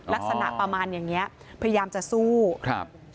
ลักษณะประมาณอย่างเงี้ยพยายามจะสู้ครับ